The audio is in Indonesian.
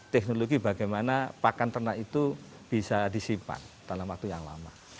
teknologi bagaimana pakan ternak itu bisa disimpan dalam waktu yang lama